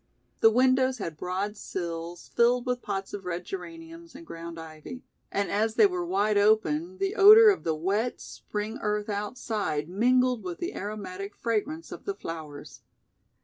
The windows had broad sills filled with pots of red geraniums and ground ivy, and as they were wide open the odor of the wet, spring earth outside mingled with the aromatic fragrance of the flowers.